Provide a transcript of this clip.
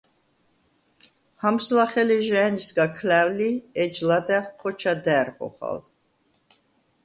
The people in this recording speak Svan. ჰამს ლახე ლეჟა̄̈ნისგა ქლა̈ვ ლი, ეჯ ლადა̈ღ ხოჩა და̄̈რ ხოხალ.